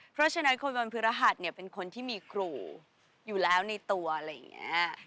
เพราะฉะนั้นคนวันพฤหัสเนี่ยเป็นคนที่มีครูอยู่แล้วในตัวอะไรอย่างนี้